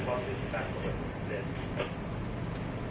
สวัสดีครับทุกคน